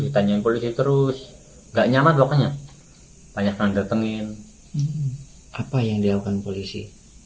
ditanyain polisi terus gak nyaman pokoknya tanyakan datengin apa yang dilakukan polisi